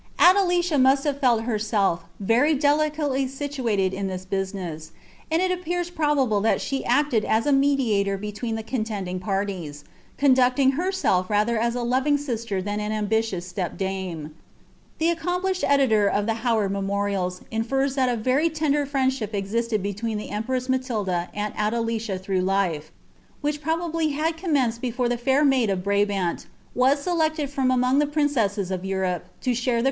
Adelicia must li:itr fr Ii ht rself very delicately situated in this business; and it appears ['< !<i'>l ilial she acted as a mediator between tlte contending parlies, I .' I ji iiri^' herself rather as a loving sister than an anibitious step dame. 1 Ml .1 irMiiplished editor of the Howard Memorials infers that a very ^'i.<M ):i>nilship existed between the empress Matilda and Adelicia V ; >ij'i lii'e, which probably had cojnmenced before the fair maid of i:',. I i:,i It OS selected from among the princesses of Europe lo share the rr.